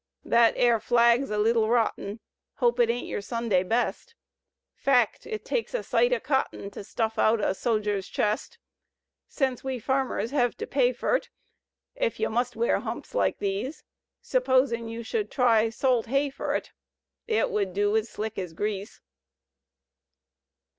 Thet air flag's a leetle rotten, Hope it ain't your Sunday best; — Fact! it takes a sight o' cotton To stuff out a soger's chest: Sence we farmers hev to pay fer't, Ef you must wear hiunps like these, S'posin' you should try salt hay fer't. It would du ez slick ez grease.